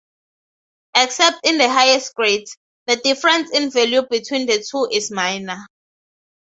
Except in the highest grades, the difference in value between the two is minor.